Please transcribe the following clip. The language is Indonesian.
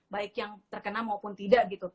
baik yang terkena maupun tidak gitu